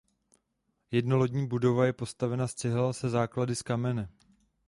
Jednolodní budova je postavena z cihel se základy z kamene.